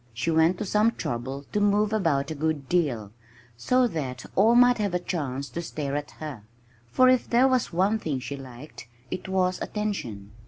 She went to some trouble to move about a good deal, so that all might have a chance to stare at her. For if there was one thing she liked, it was attention.